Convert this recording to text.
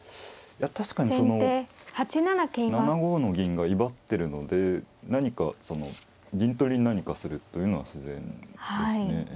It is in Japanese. いや確かに７五の銀が威張ってるので何かその銀取りに何かするっていうのが自然ですね。